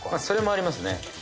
それもありますね。